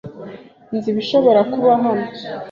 Nzi ibishobora kuba hano.